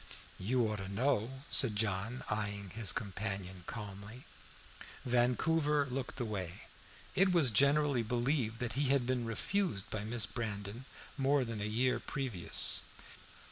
"You ought to know," said John, eyeing his companion calmly. Vancouver looked away; it was generally believed that he had been refused by Miss Brandon more than a year previous.